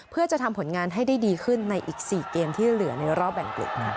เพื่อจะทำผลงานให้ได้ดีขึ้นในอีก๔เกมที่เหลือในรอบแบ่งกลุ่มนะคะ